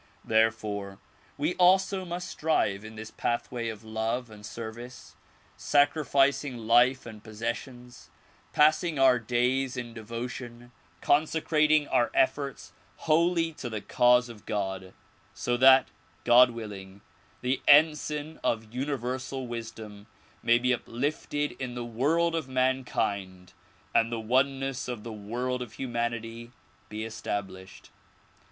Therefore we also must strive in this pathway of love and ser vice, sacrificing life and possessions, passing our days in devotion, consecrating our efforts wholly to the cause of God, so that, God willing, the ensign of universal religion may be uplifted in the world of mankind and the oneness of the world of humanity be established.